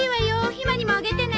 ひまにもあげてね。